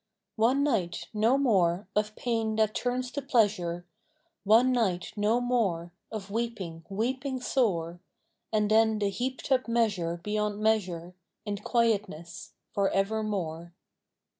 One night, no more, of pain that turns to pleasure, One night, no more, of weeping, weeping sore : And then the heaped up measure beyond measure, In quietness for evermore.